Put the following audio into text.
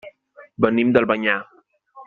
Venim d'Albanyà.